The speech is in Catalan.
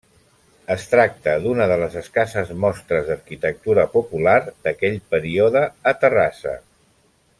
Es tracta d'una de les escasses mostres d'arquitectura popular d'aquell període a Terrassa.